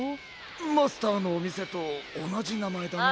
マスターのおみせとおなじなまえだな。